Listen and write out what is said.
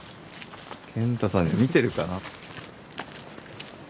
賢太さん見てるかな。